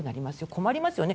困りますよね。